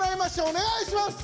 おねがいします！